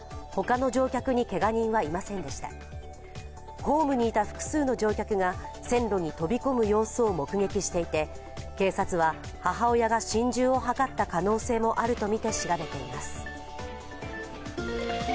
ホームにいた複数の乗客が線路に飛び込む様子を目撃していて警察は母親が心中を図った可能性もあると見て調べています。